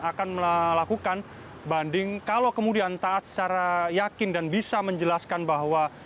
akan melakukan banding kalau kemudian taat secara yakin dan bisa menjelaskan bahwa